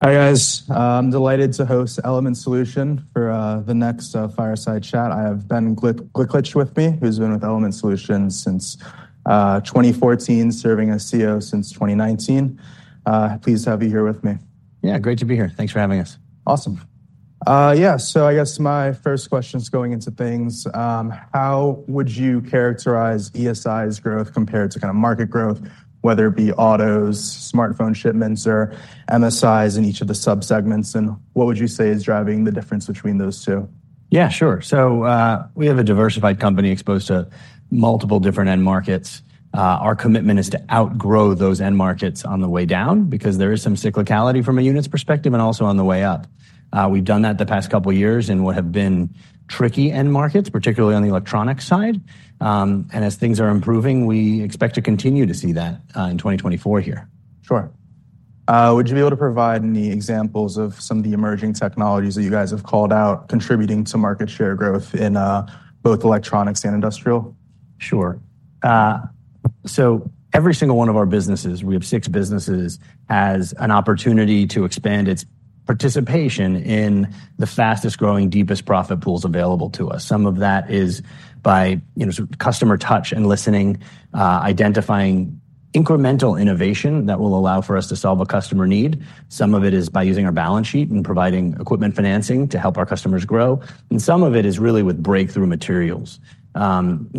Hi guys. I'm delighted to host Element Solutions for the next fireside chat. I have Ben Gliklich with me, who's been with Element Solutions since 2014, serving as CEO since 2019. Pleased to have you here with me. Yeah, great to be here. Thanks for having us. Awesome. Yeah, so I guess my first question's going into things. How would you characterize ESI's growth compared to kind of market growth, whether it be autos, smartphone shipments, or MSIs in each of the subsegments, and what would you say is driving the difference between those two? Yeah, sure. So, we have a diversified company exposed to multiple different end markets. Our commitment is to outgrow those end markets on the way down because there is some cyclicality from a unit's perspective and also on the way up. We've done that the past couple of years in what have been tricky end markets, particularly on the electronics side. As things are improving, we expect to continue to see that, in 2024 here. Sure. Would you be able to provide any examples of some of the emerging technologies that you guys have called out contributing to market share growth in both electronics and industrial? Sure. So every single one of our businesses (we have six businesses) has an opportunity to expand its participation in the fastest-growing, deepest profit pools available to us. Some of that is by, you know, sort of customer touch and listening, identifying incremental innovation that will allow for us to solve a customer need. Some of it is by using our balance sheet and providing equipment financing to help our customers grow. And some of it is really with breakthrough materials.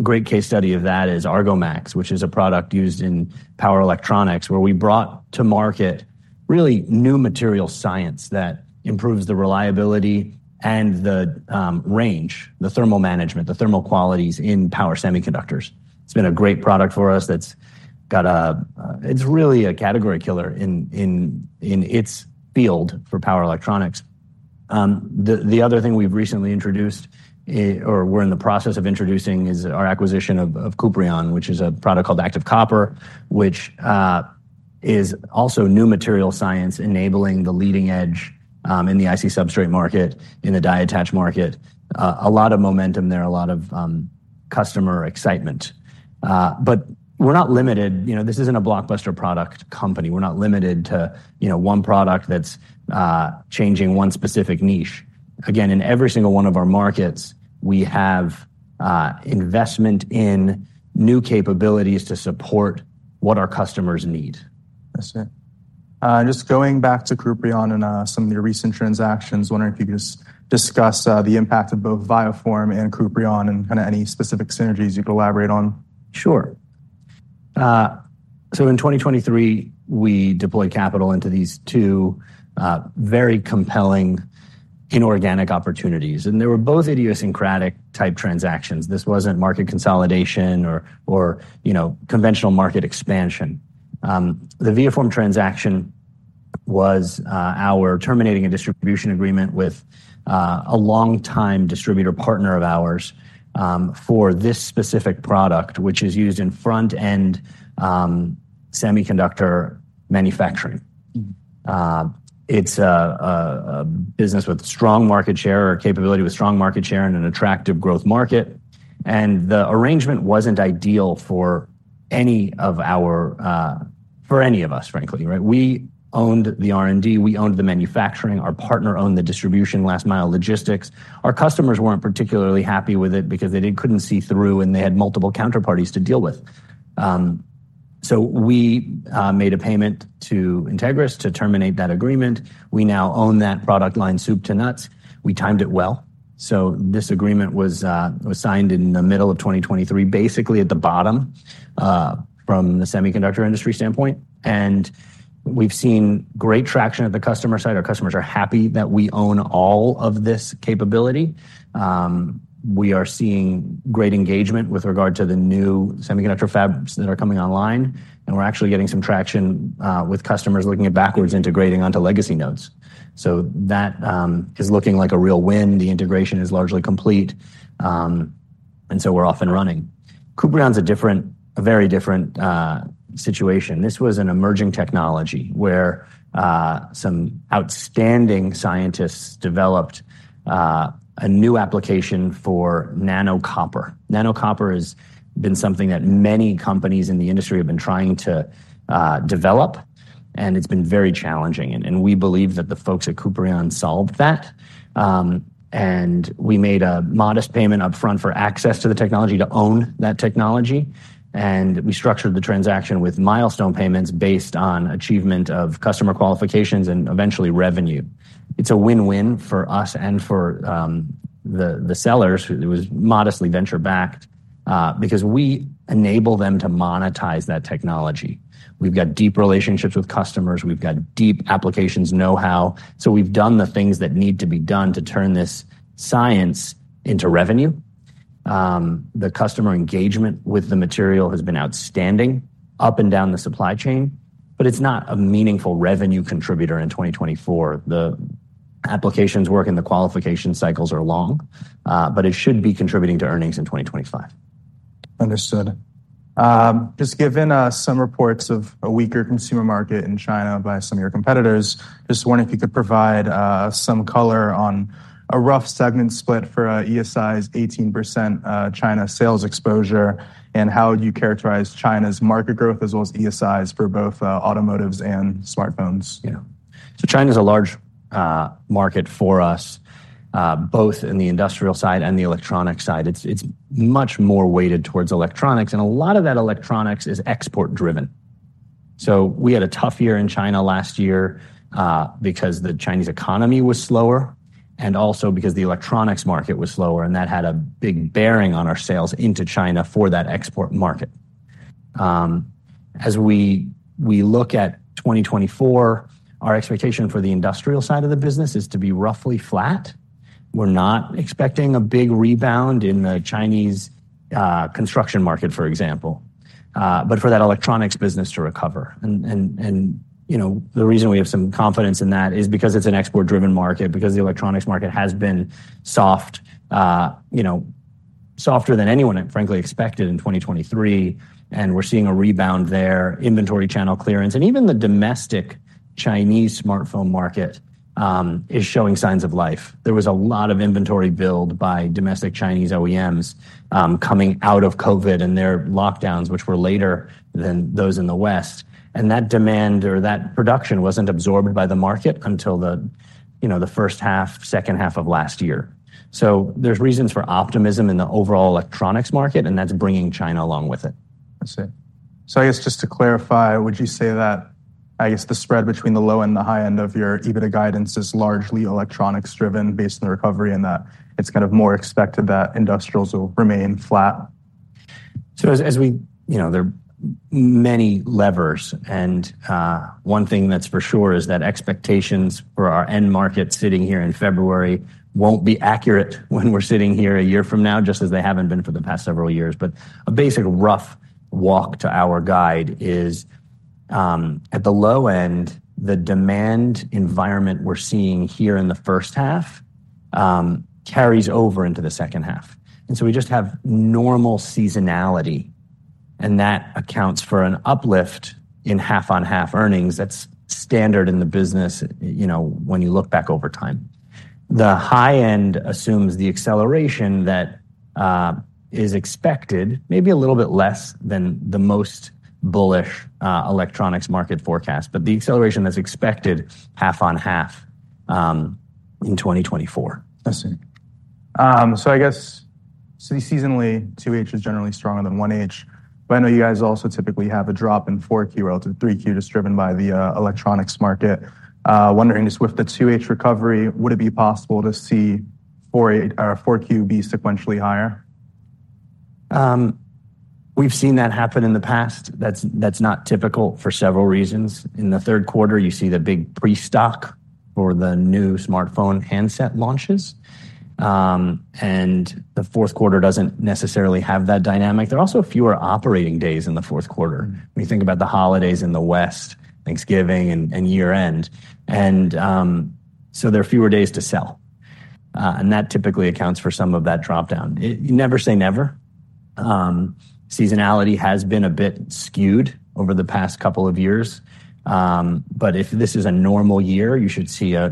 Great case study of that is Argomax, which is a product used in power electronics, where we brought to market really new material science that improves the reliability and the range, the thermal management, the thermal qualities in power semiconductors. It's been a great product for us that's got a, it's really a category killer in its field for power electronics. The other thing we've recently introduced or we're in the process of introducing is our acquisition of Kuprion, which is a product called ActiveCopper, which is also new material science enabling the leading edge in the IC substrate market, in the die-attach market. A lot of momentum there, a lot of customer excitement. But we're not limited, you know, this isn't a blockbuster product company, we're not limited to, you know, one product that's changing one specific niche. Again, in every single one of our markets, we have investment in new capabilities to support what our customers need. I see. Just going back to Kuprion and some of your recent transactions, wondering if you could just discuss the impact of both ViaForm and Kuprion and kind of any specific synergies you could elaborate on. Sure. So in 2023, we deployed capital into these two, very compelling inorganic opportunities. And they were both idiosyncratic-type transactions. This wasn't market consolidation or, you know, conventional market expansion. The ViaForm transaction was, our terminating a distribution agreement with, a longtime distributor partner of ours, for this specific product, which is used in front-end, semiconductor manufacturing. It's a business with strong market share or capability with strong market share in an attractive growth market. And the arrangement wasn't ideal for any of our, for any of us, frankly, right? We owned the R&D. We owned the manufacturing. Our partner owned the distribution last-mile logistics. Our customers weren't particularly happy with it because they couldn't see through, and they had multiple counterparties to deal with. So we made a payment to Entegris to terminate that agreement. We now own that product line soup to nuts. We timed it well. So this agreement was signed in the middle of 2023, basically at the bottom, from the semiconductor industry standpoint. And we've seen great traction at the customer side. Our customers are happy that we own all of this capability. We are seeing great engagement with regard to the new semiconductor fabs that are coming online. And we're actually getting some traction with customers looking at backwards integrating onto legacy nodes. So that is looking like a real win. The integration is largely complete, and so we're off and running. Kuprion's a different, a very different, situation. This was an emerging technology where some outstanding scientists developed a new application for nanocopper. nanocopper has been something that many companies in the industry have been trying to develop. And it's been very challenging. And we believe that the folks at Kuprion solved that. We made a modest payment upfront for access to the technology to own that technology. We structured the transaction with milestone payments based on achievement of customer qualifications and eventually revenue. It's a win-win for us and for, the, the sellers. It was modestly venture-backed, because we enable them to monetize that technology. We've got deep relationships with customers. We've got deep applications know-how. So we've done the things that need to be done to turn this science into revenue. The customer engagement with the material has been outstanding up and down the supply chain. But it's not a meaningful revenue contributor in 2024. The applications work and the qualification cycles are long. But it should be contributing to earnings in 2025. Understood. Just given some reports of a weaker consumer market in China by some of your competitors, just wondering if you could provide some color on a rough segment split for ESI's 18% China sales exposure and how would you characterize China's market growth as well as ESI's for both automotive and smartphones? Yeah. So China's a large market for us, both in the industrial side and the electronic side. It's much more weighted towards electronics. And a lot of that electronics is export-driven. So we had a tough year in China last year, because the Chinese economy was slower and also because the electronics market was slower. And that had a big bearing on our sales into China for that export market. As we look at 2024, our expectation for the industrial side of the business is to be roughly flat. We're not expecting a big rebound in the Chinese construction market, for example, but for that electronics business to recover. And, you know, the reason we have some confidence in that is because it's an export-driven market, because the electronics market has been soft, you know, softer than anyone had frankly expected in 2023. We're seeing a rebound there, inventory channel clearance. Even the domestic Chinese smartphone market is showing signs of life. There was a lot of inventory build by domestic Chinese OEMs, coming out of COVID and their lockdowns, which were later than those in the West. That demand or that production wasn't absorbed by the market until the, you know, the first half, second half of last year. There's reasons for optimism in the overall electronics market, and that's bringing China along with it. I see. So I guess just to clarify, would you say that, I guess, the spread between the low and the high end of your EBITDA guidance is largely electronics-driven based on the recovery and that it's kind of more expected that industrials will remain flat? So, as we—you know, there are many levers. One thing that's for sure is that expectations for our end market sitting here in February won't be accurate when we're sitting here a year from now, just as they haven't been for the past several years. But a basic rough walk to our guide is, at the low end, the demand environment we're seeing here in the first half carries over into the second half. And so we just have normal seasonality. And that accounts for an uplift in half-on-half earnings that's standard in the business, you know, when you look back over time. The high end assumes the acceleration that is expected, maybe a little bit less than the most bullish electronics market forecast, but the acceleration that's expected half-on-half in 2024. I see. So I guess—so the seasonally 2H is generally stronger than 1H. But I know you guys also typically have a drop in 4Q relative to 3Q just driven by the electronics market. Wondering just with the 2H recovery, would it be possible to see Q4 or 4Q be sequentially higher? We've seen that happen in the past. That's, that's not typical for several reasons. In the third quarter, you see the big prestock for the new smartphone handset launches. The fourth quarter doesn't necessarily have that dynamic. There are also fewer operating days in the fourth quarter. When you think about the holidays in the West, Thanksgiving, and year-end, there are fewer days to sell. That typically accounts for some of that dropdown. It, you never say never. Seasonality has been a bit skewed over the past couple of years. But if this is a normal year, you should see a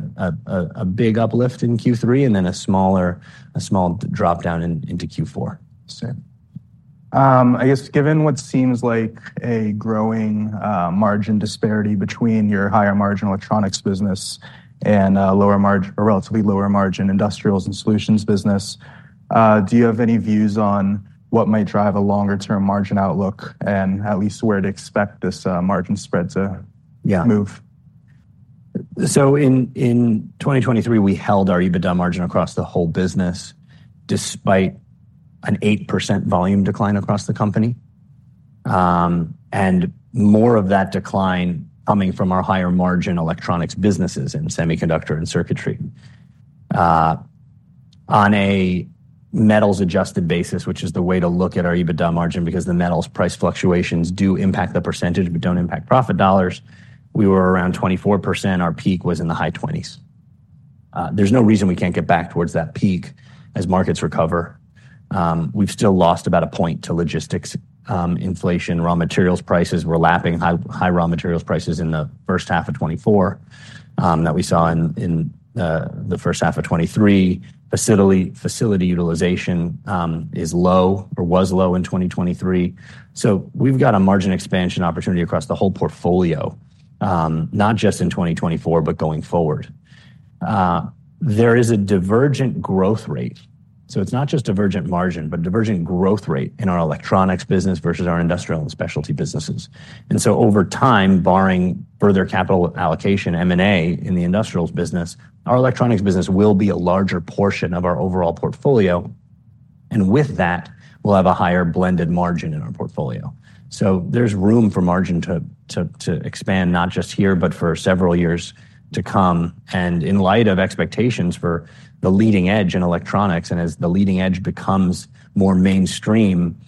big uplift in Q3 and then a small dropdown into Q4. I see. I guess given what seems like a growing, margin disparity between your higher margin electronics business and, lower margin, or relatively lower margin, industrials and solutions business, do you have any views on what might drive a longer-term margin outlook and at least where to expect this, margin spread to move? Yeah. So in 2023, we held our EBITDA margin across the whole business despite an 8% volume decline across the company. And more of that decline coming from our higher margin electronics businesses in semiconductor and circuitry. On a metals-adjusted basis, which is the way to look at our EBITDA margin because the metals price fluctuations do impact the percentage but don't impact profit dollars, we were around 24%. Our peak was in the high 20s%. There's no reason we can't get back towards that peak as markets recover. We've still lost about a point to logistics, inflation. Raw materials prices were lapping high raw materials prices in the first half of 2024, that we saw in the first half of 2023. Facility utilization is low or was low in 2023. So we've got a margin expansion opportunity across the whole portfolio, not just in 2024 but going forward. There is a divergent growth rate. So it's not just divergent margin but divergent growth rate in our electronics business versus our industrial and specialty businesses. And so over time, barring further capital allocation - M&A - in the industrials business, our electronics business will be a larger portion of our overall portfolio. And with that, we'll have a higher blended margin in our portfolio. So there's room for margin to expand not just here but for several years to come. And in light of expectations for the leading edge in electronics and as the leading edge becomes more mainstream,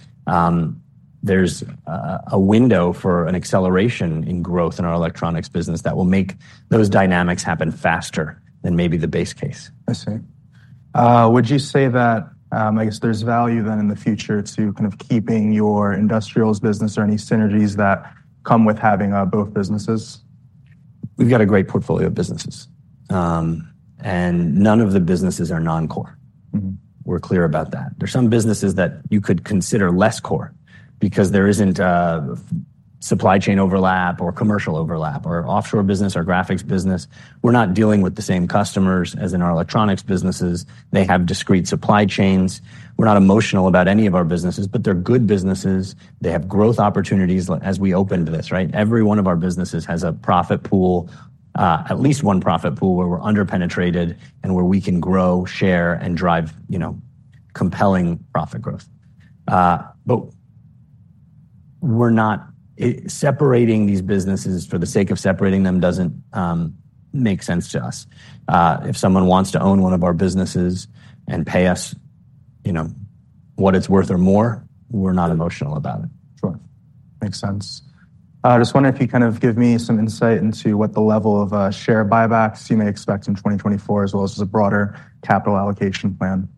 there's a window for an acceleration in growth in our electronics business that will make those dynamics happen faster than maybe the base case. I see. Would you say that, I guess there's value then in the future to kind of keeping your industrials business or any synergies that come with having both businesses? We've got a great portfolio of businesses. And none of the businesses are non-core. We're clear about that. There's some businesses that you could consider less core because there isn't supply chain overlap or commercial overlap or offshore business or graphics business. We're not dealing with the same customers as in our electronics businesses. They have discrete supply chains. We're not emotional about any of our businesses. But they're good businesses. They have growth opportunities as we opened this, right? Every one of our businesses has a profit pool, at least one profit pool where we're under-penetrated and where we can grow, share, and drive, you know, compelling profit growth. But we're not separating these businesses for the sake of separating them doesn't make sense to us. If someone wants to own one of our businesses and pay us, you know, what it's worth or more, we're not emotional about it. Sure. Makes sense. I just wonder if you kind of give me some insight into what the level of share buybacks you may expect in 2024 as well as a broader capital allocation plan.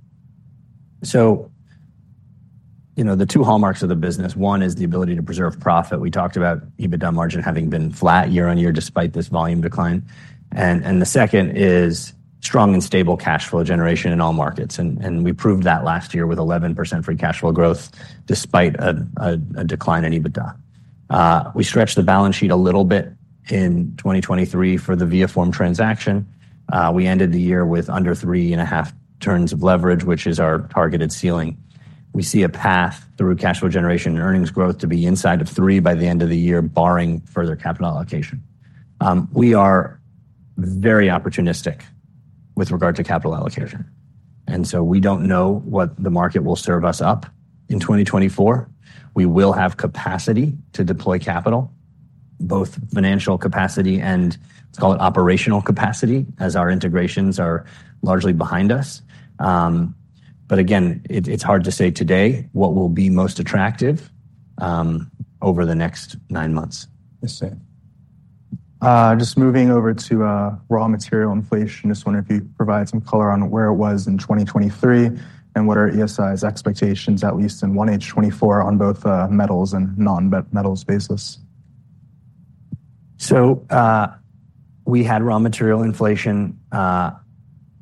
So, you know, the two hallmarks of the business. One is the ability to preserve profit. We talked about EBITDA margin having been flat year-on-year despite this volume decline. And the second is strong and stable cash flow generation in all markets. And we proved that last year with 11% free cash flow growth despite a decline in EBITDA. We stretched the balance sheet a little bit in 2023 for the ViaForm transaction. We ended the year with under 3.5 turns of leverage, which is our targeted ceiling. We see a path through cash flow generation and earnings growth to be inside of 3 by the end of the year, barring further capital allocation. We are very opportunistic with regard to capital allocation. And so we don't know what the market will serve us up in 2024. We will have capacity to deploy capital, both financial capacity and, let's call it, operational capacity as our integrations are largely behind us. But again, it's, it's hard to say today what will be most attractive, over the next nine months. I see. Just moving over to raw material inflation, just wondering if you could provide some color on where it was in 2023 and what are ESI's expectations, at least in 1H24, on both metals and non-metals basis. So, we had raw material inflation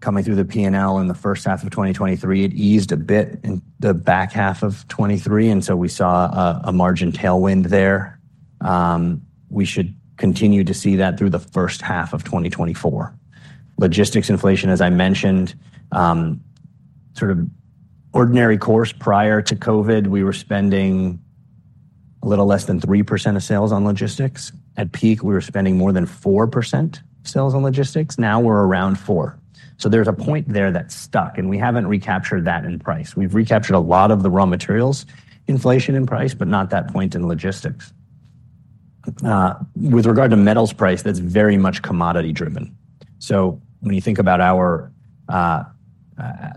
coming through the P&L in the first half of 2023. It eased a bit in the back half of 2023. And so we saw a margin tailwind there. We should continue to see that through the first half of 2024. Logistics inflation, as I mentioned, sort of ordinary course. Prior to COVID, we were spending a little less than 3% of sales on logistics. At peak, we were spending more than 4% of sales on logistics. Now we're around 4%. So there's a point there that's stuck. And we haven't recaptured that in price. We've recaptured a lot of the raw materials inflation in price but not that point in logistics. With regard to metals price, that's very much commodity-driven. So when you think about our,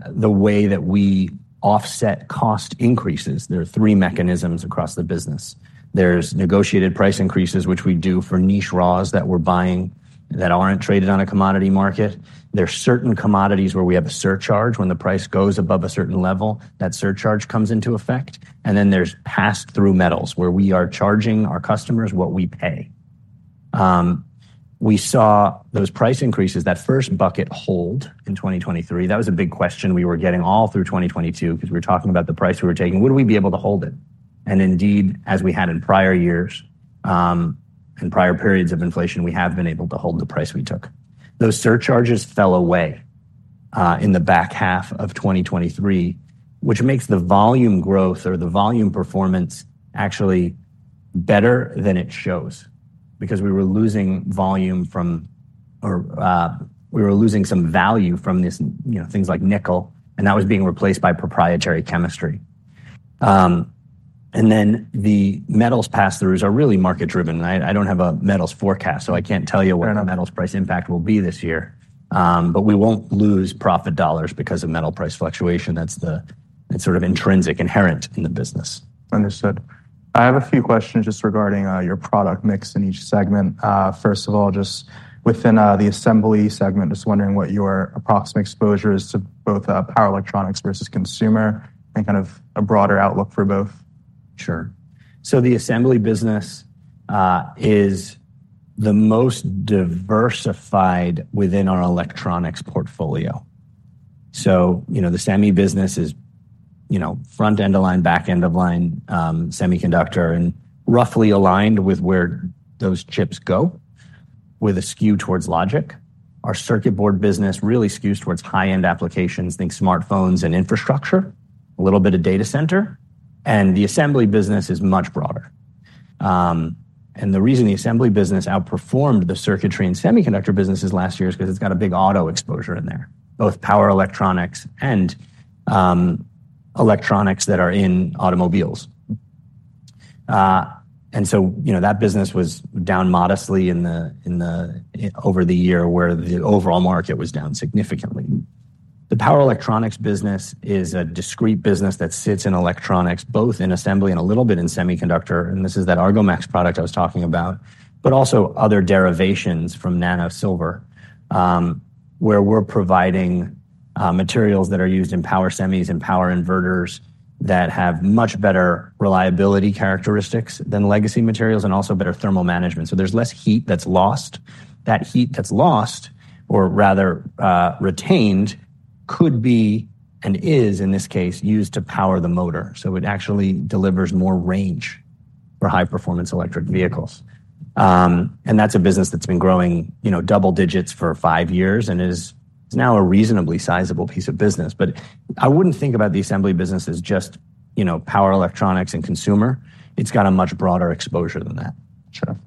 the way that we offset cost increases, there are three mechanisms across the business. There's negotiated price increases, which we do for niche raws that we're buying that aren't traded on a commodity market. There's certain commodities where we have a surcharge. When the price goes above a certain level, that surcharge comes into effect. And then there's pass-through metals where we are charging our customers what we pay. We saw those price increases, that first bucket hold in 2023. That was a big question we were getting all through 2022 because we were talking about the price we were taking. Would we be able to hold it? And indeed, as we had in prior years, in prior periods of inflation, we have been able to hold the price we took. Those surcharges fell away in the back half of 2023, which makes the volume growth or the volume performance actually better than it shows because we were losing volume from or we were losing some value from this, you know, things like nickel. And that was being replaced by proprietary chemistry. Then the metals pass-throughs are really market-driven. And I, I don't have a metals forecast, so I can't tell you what the metals price impact will be this year. But we won't lose profit dollars because of metal price fluctuation. That's the. It's sort of intrinsic, inherent in the business. Understood. I have a few questions just regarding your product mix in each segment. First of all, just within the assembly segment, just wondering what your approximate exposure is to both power electronics versus consumer and kind of a broader outlook for both. Sure. So the assembly business is the most diversified within our electronics portfolio. So, you know, the semi business is, you know, front end of line, back end of line, semiconductor and roughly aligned with where those chips go with a skew towards logic. Our circuit board business really skews towards high-end applications, think smartphones and infrastructure, a little bit of data center. The assembly business is much broader. The reason the assembly business outperformed the circuitry and semiconductor businesses last year is because it's got a big auto exposure in there, both power electronics and electronics that are in automobiles. So, you know, that business was down modestly in the year where the overall market was down significantly. The power electronics business is a discrete business that sits in electronics, both in assembly and a little bit in semiconductor. And this is that Argomax product I was talking about but also other derivations from nanosilver, where we're providing materials that are used in power semis and power inverters that have much better reliability characteristics than legacy materials and also better thermal management. So there's less heat that's lost. That heat that's lost, or rather, retained, could be and is, in this case, used to power the motor. So it actually delivers more range for high-performance electric vehicles. And that's a business that's been growing, you know, double digits for five years and is, is now a reasonably sizable piece of business. But I wouldn't think about the assembly business as just, you know, power electronics and consumer. It's got a much broader exposure than that. Sure.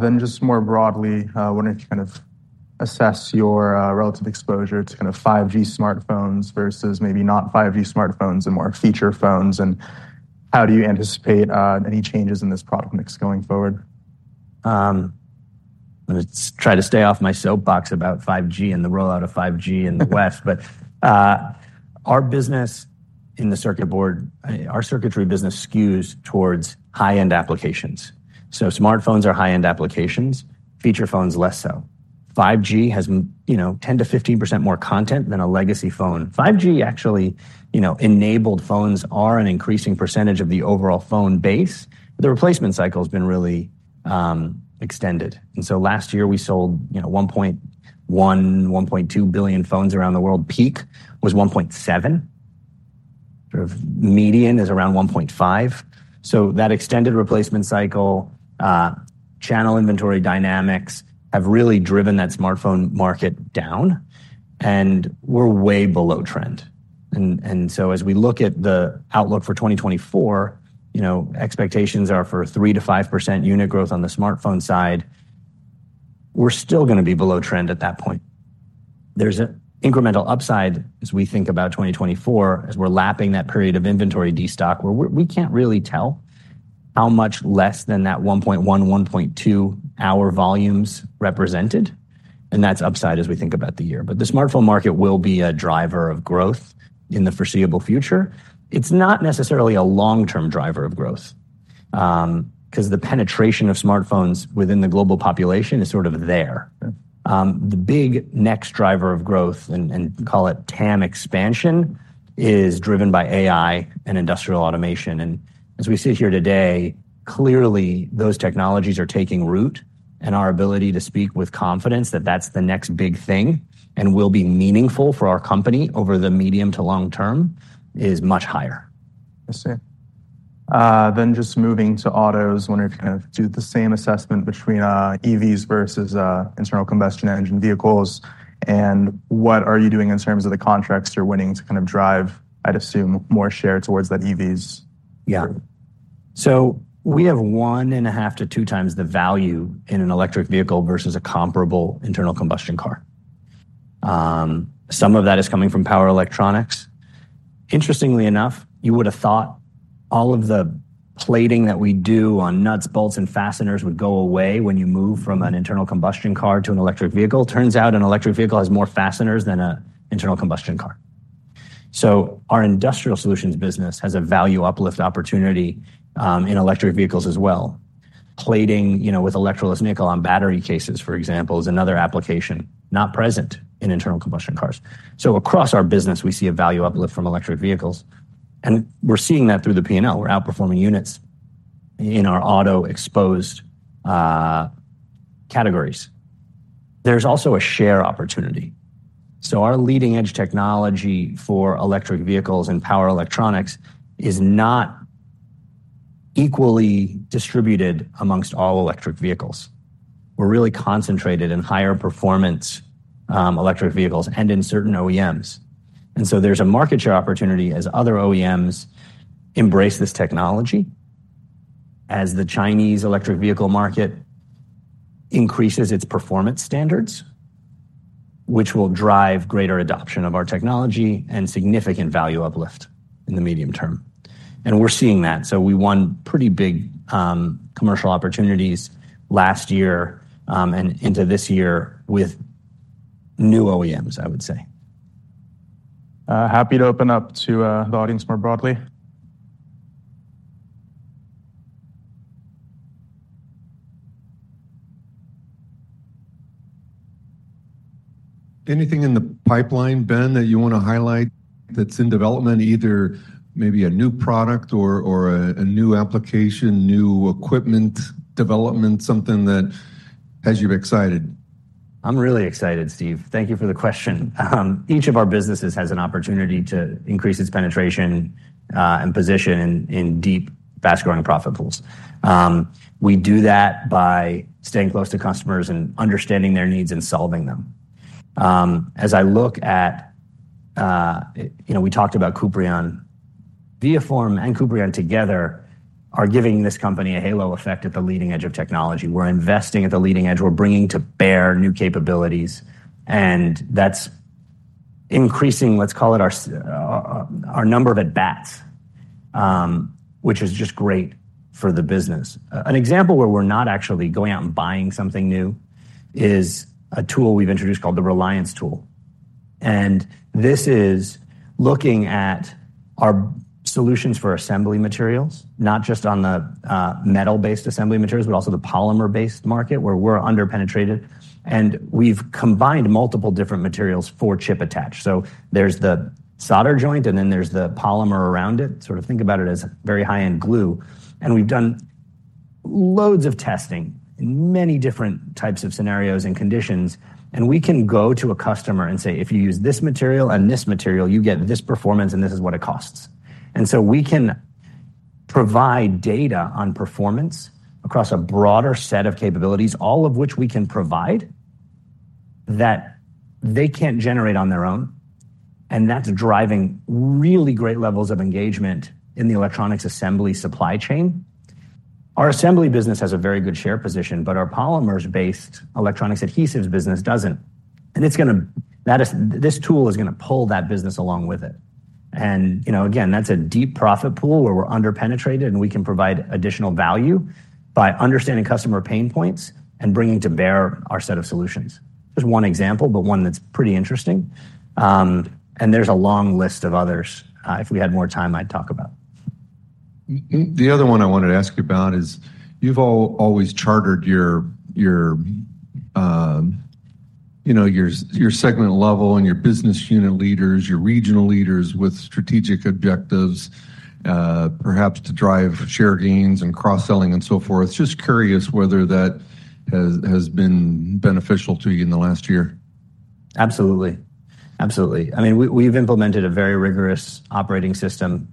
Then just more broadly, wondering if you kind of assess your relative exposure to kind of 5G smartphones versus maybe not 5G smartphones and more feature phones. And how do you anticipate any changes in this product mix going forward? I'm going to try to stay off my soapbox about 5G and the rollout of 5G in the West. But our business in the circuit board, our circuitry business skews towards high-end applications. So smartphones are high-end applications. Feature phones less so. 5G has, you know, 10%-15% more content than a legacy phone. 5G actually, you know, enabled phones are an increasing percentage of the overall phone base. The replacement cycle's been really extended. And so last year, we sold, you know, 1.1 billion-1.2 billion phones around the world. Peak was 1.7. Sort of median is around 1.5. So that extended replacement cycle, channel inventory dynamics have really driven that smartphone market down. And we're way below trend. And, and so as we look at the outlook for 2024, you know, expectations are for 3%-5% unit growth on the smartphone side. We're still going to be below trend at that point. There's an incremental upside as we think about 2024, as we're lapping that period of inventory destock where we can't really tell how much less than that 1.1-1.2-hour volumes represented. And that's upside as we think about the year. But the smartphone market will be a driver of growth in the foreseeable future. It's not necessarily a long-term driver of growth, because the penetration of smartphones within the global population is sort of there. The big next driver of growth and, and call it TAM expansion is driven by AI and industrial automation. And as we sit here today, clearly those technologies are taking root. And our ability to speak with confidence that that's the next big thing and will be meaningful for our company over the medium to long term is much higher. I see. Then just moving to autos, wondering if you kind of do the same assessment between EVs versus internal combustion engine vehicles. What are you doing in terms of the contracts you're winning to kind of drive, I'd assume, more share towards that EVs group? Yeah. So we have 1.5-2 times the value in an electric vehicle versus a comparable internal combustion car. Some of that is coming from power electronics. Interestingly enough, you would have thought all of the plating that we do on nuts, bolts, and fasteners would go away when you move from an internal combustion car to an electric vehicle. Turns out an electric vehicle has more fasteners than an internal combustion car. So our industrial solutions business has a value uplift opportunity in electric vehicles as well. Plating, you know, with electrolytic nickel on battery cases, for example, is another application not present in internal combustion cars. So across our business, we see a value uplift from electric vehicles. And we're seeing that through the P&L. We're outperforming units in our auto-exposed categories. There's also a share opportunity. So our leading edge technology for electric vehicles and power electronics is not equally distributed among all electric vehicles. We're really concentrated in higher performance electric vehicles and in certain OEMs. And so there's a market share opportunity as other OEMs embrace this technology, as the Chinese electric vehicle market increases its performance standards, which will drive greater adoption of our technology and significant value uplift in the medium term. And we're seeing that. So we won pretty big commercial opportunities last year, and into this year with new OEMs, I would say. Happy to open up to the audience more broadly. Anything in the pipeline, Ben, that you want to highlight that's in development, either maybe a new product or a new application, new equipment development, something that has you excited? I'm really excited, Steve. Thank you for the question. Each of our businesses has an opportunity to increase its penetration, and position in deep, fast-growing profit pools. We do that by staying close to customers and understanding their needs and solving them. As I look at, you know, we talked about Kuprion. ViaForm and Kuprion together are giving this company a halo effect at the leading edge of technology. We're investing at the leading edge. We're bringing to bear new capabilities. And that's increasing, let's call it, our number of at-bats, which is just great for the business. An example where we're not actually going out and buying something new is a tool we've introduced called the Reliance tool. And this is looking at our solutions for assembly materials, not just on the metal-based assembly materials but also the polymer-based market where we're underpenetrated. And we've combined multiple different materials for chip attach. So there's the solder joint, and then there's the polymer around it. Sort of think about it as very high-end glue. And we've done loads of testing in many different types of scenarios and conditions. And we can go to a customer and say, "If you use this material and this material, you get this performance, and this is what it costs." And so we can provide data on performance across a broader set of capabilities, all of which we can provide that they can't generate on their own. And that's driving really great levels of engagement in the electronics assembly supply chain. Our assembly business has a very good share position, but our polymers-based electronics adhesives business doesn't. And it's going to, that is, this tool is going to pull that business along with it. You know, again, that's a deep profit pool where we're underpenetrated, and we can provide additional value by understanding customer pain points and bringing to bear our set of solutions. Just one example, but one that's pretty interesting. There's a long list of others, if we had more time I'd talk about. The other one I wanted to ask you about is you've all always chartered your, you know, your segment level and your business unit leaders, your regional leaders with strategic objectives, perhaps to drive share gains and cross-selling and so forth. Just curious whether that has been beneficial to you in the last year. Absolutely. Absolutely. I mean, we, we've implemented a very rigorous operating system,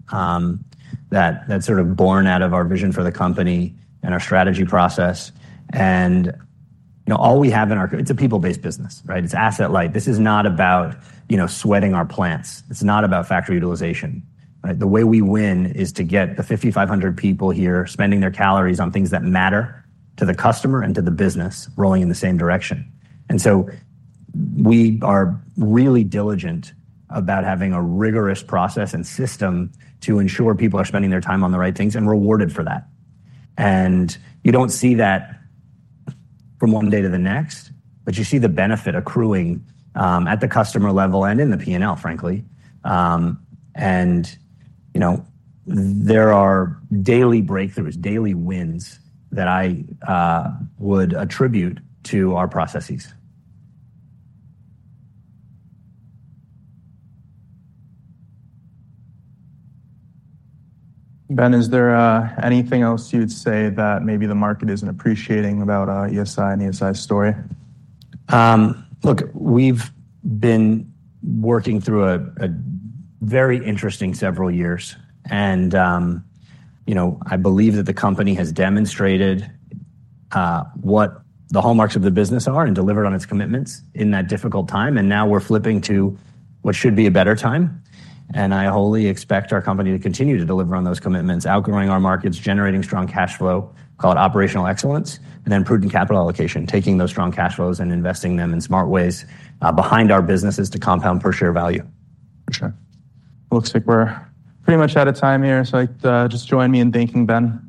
that, that's sort of born out of our vision for the company and our strategy process. And, you know, all we have in our it's a people-based business, right? It's asset-light. This is not about, you know, sweating our plants. It's not about factory utilization, right? The way we win is to get the 5,500 people here spending their calories on things that matter to the customer and to the business rolling in the same direction. And so we are really diligent about having a rigorous process and system to ensure people are spending their time on the right things and rewarded for that. And you don't see that from one day to the next, but you see the benefit accruing, at the customer level and in the P&L, frankly. And you know, there are daily breakthroughs, daily wins that I would attribute to our processes. Ben, is there anything else you'd say that maybe the market isn't appreciating about ESI and ESI's story? Look, we've been working through a very interesting several years. You know, I believe that the company has demonstrated what the hallmarks of the business are and delivered on its commitments in that difficult time. Now we're flipping to what should be a better time. I wholly expect our company to continue to deliver on those commitments, outgrowing our markets, generating strong cash flow, call it operational excellence, and then prudent capital allocation, taking those strong cash flows and investing them in smart ways behind our businesses to compound per share value. Sure. Looks like we're pretty much out of time here. So, just join me in thanking Ben.